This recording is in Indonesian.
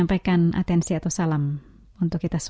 meski dalam susah takut tiada